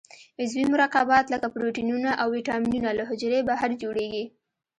عضوي مرکبات لکه پروټینونه او وېټامینونه له حجرې بهر جوړیږي.